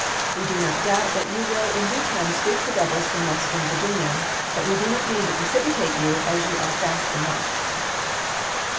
We do not doubt that you will in due time sweep the rebels from Western Virginia, but we do not mean to precipitate you as you are fast enough.''